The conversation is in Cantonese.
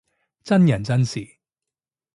真人真事